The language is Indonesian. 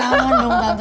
jangan dong tante